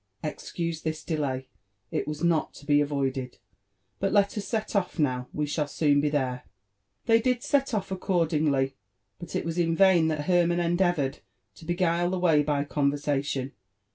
Excuse this delay*^it was not to be avoided : but let us set off now— we shall soon be there.'' They did set off accordingly, but it was in vain that Hermann en deavoured to beguile the way by conversation.